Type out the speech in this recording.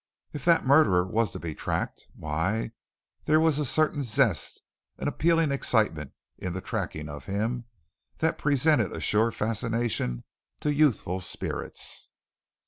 If that murderer was to be tracked why, there was a certain zest, an appealing excitement in the tracking of him that presented a sure fascination to youthful spirits.